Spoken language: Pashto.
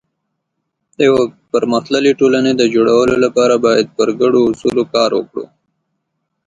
د یو پرمختللي ټولنې د جوړولو لپاره باید پر ګډو اصولو کار وکړو.